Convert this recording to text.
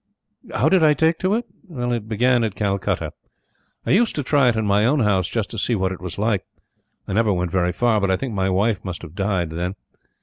How did I take to it? It began at Calcutta. I used to try it in my own house, just to see what it was like. I never went very far, but I think my wife must have died then.